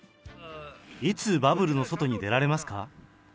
いつバブルの外に出られますか？